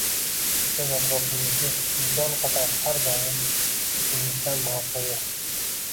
Siz atrofingizni imkon qadar har doim o’zingizdan mavqei